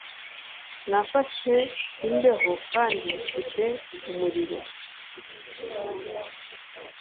Nafashe imbeho, kandi mfite umuriro.